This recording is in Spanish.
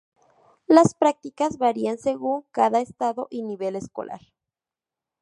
Las prácticas varían según cada estado y nivel escolar.